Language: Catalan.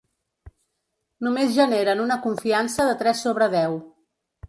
Només generen una confiança de tres sobre deu.